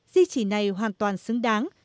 di chỉ này hoàn toàn xứng đáng